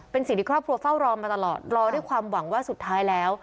เป็นสิ่งที่ครอบครัวเฝ้ารอมาตลอดรอด้วยความหวังว่าสุดท้ายแล้ว